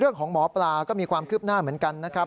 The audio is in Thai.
ของหมอปลาก็มีความคืบหน้าเหมือนกันนะครับ